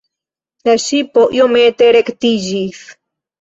La ŝipo iomete rektiĝis.